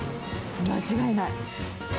間違いない。